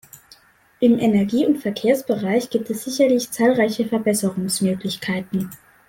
Im Energie- und Verkehrsbereich gibt es sicherlich zahlreiche Verbesserungsmöglichkeiten.